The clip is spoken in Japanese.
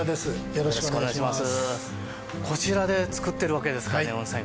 よろしくお願いします。